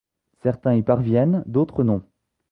Certains y parviennent, d'autres non.